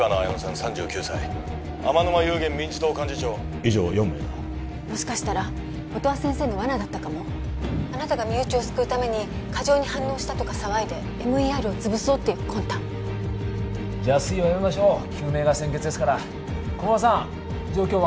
３９歳天沼夕源民自党幹事長以上４名だもしかしたら音羽先生のワナだったかもあなたが身内を救うために過剰に反応したとか騒いでＭＥＲをつぶそうっていう魂胆邪推はやめましょう救命が先決ですから駒場さん状況は？